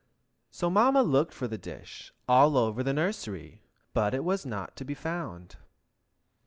So Mamma looked for the dish, all over the nursery, but it was not to be found.